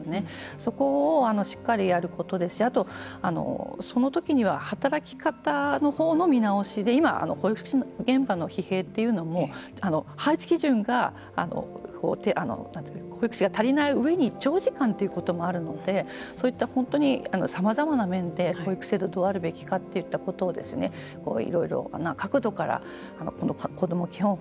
そこをしっかりやることですしあと、その時には働き方のほうの見直しで今、保育現場の疲弊というのも配置基準が保育士が足りない上に長時間ということもあるのでそういった本当にさまざまな面で保育制度どうあるべきかといったことをいろいろな角度からこども基本法